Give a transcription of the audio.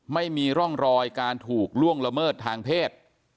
ไม่มีร่องรอยการถูกล่วงละเมิดทางเพศ